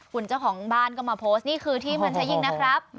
คุณเจ้าของบ้านก็มาโพสต์นี่คือที่มันใช้ยิงนะครับ